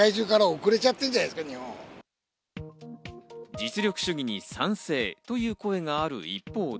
実力主義に賛成という声がある一方で。